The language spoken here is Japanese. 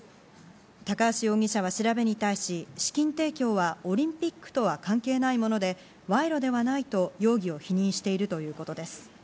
高橋容疑者は調べに対し資金提供はオリンピックとは関係ないもので、賄賂ではないと容疑を否認しているということです。